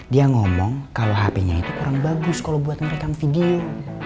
dia ngomong kalau hp nya itu kurang bagus kalau buat merekam video